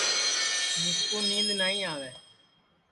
میسکُو نِینٚدؔ نائی آوے